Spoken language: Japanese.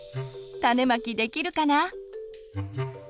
種まきできるかな？